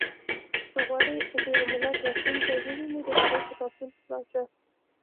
• که غواړې د یو ملت راتلونکی ووینې، د هغوی کتابتون ته لاړ شه.